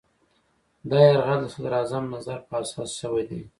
دا یرغل د صدراعظم نظر په اساس شوی دی.